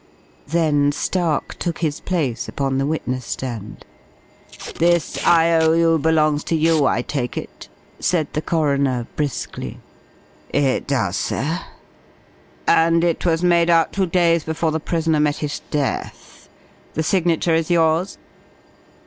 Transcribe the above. Then Stark took his place upon the witness stand. "This I.O.U. belongs to you, I take it?" said the coroner, briskly. "It does, sir." "And it was made out two days before the prisoner met his death. The signature is yours?"